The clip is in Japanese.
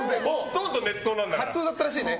初めてだったらしいね。